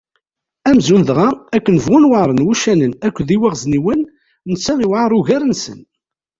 Amzun dɣa, akken bɣun weɛṛen wuccanen akked yiwaɣzniwen, netta iwɛaṛ ugar-nsen.